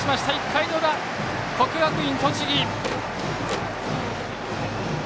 １回の裏、国学院栃木！